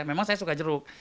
memang saya suka jeruk